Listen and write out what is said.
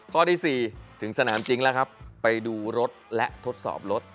ข้อที่๔ถึงสนามจริงแล้วครับไปดูรถและทดสอบรถ